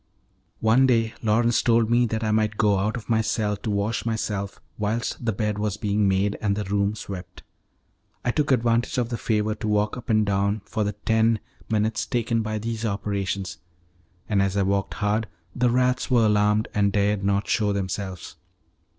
One day Lawrence told me that I might go out of my cell to wash myself whilst the bed was being made and the room swept. I took advantage of the favour to walk up and down for the ten minutes taken by these operations, and as I walked heard the rats were alarmed and dared not shew themselves.